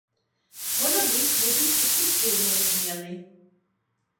Можа быць, будуць і структурныя змены.